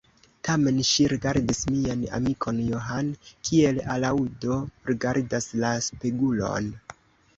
Tamen ŝi rigardis mian amikon John, kiel alaŭdo rigardas la spegulon.